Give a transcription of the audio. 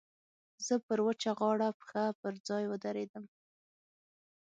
زه پر وچه غاړه پښه پر ځای ودرېدم.